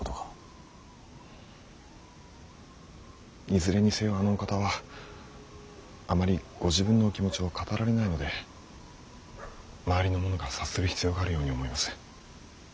いずれにせよあのお方はあまりご自分のお気持ちを語られないので周りの者が察する必要があるように思います。